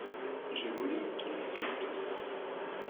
Je voulais qu'il assume tout ça.